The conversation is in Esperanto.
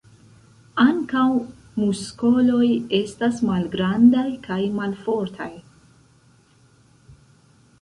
Ankaŭ muskoloj estas malgrandaj kaj malfortaj.